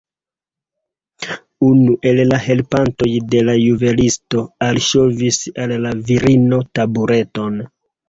Unu el la helpantoj de la juvelisto alŝovis al la virino tabureton.